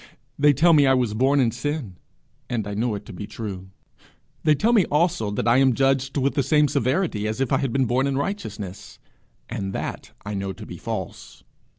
They tell me I was born in sin, and I know it to be true; they tell me also that I am judged with the same severity as if I had been born in righteousness, and that I know to be false.